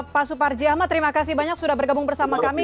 pak suparji ahmad terima kasih banyak sudah bergabung bersama kami